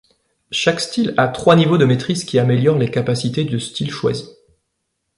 Chaque style a trois niveaux de maîtrise qui améliorent les capacités de style choisi.